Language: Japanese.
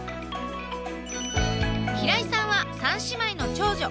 平井さんは三姉妹の長女。